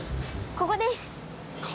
ここです！